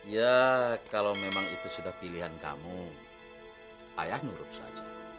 ya kalau memang itu sudah pilihan kamu ayah nurup saja